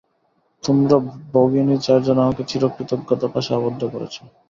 তোমরা ভগিনী চারজন আমাকে চিরকৃতজ্ঞতাপাশে আবদ্ধ করেছ।